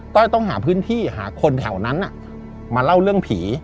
้อยต้องหาพื้นที่หาคนแถวนั้นมาเล่าเรื่องผี